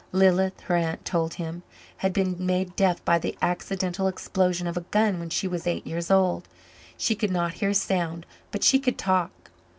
Lilith, her aunt told him, had been made deaf by the accidental explosion of a gun when she was eight years old. She could not hear a sound but she could talk.